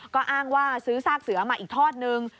ก็อ้างว่าซื้อซากเสือมาอีกทอดนึง